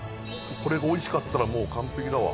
これがおいしかったら完璧だわ。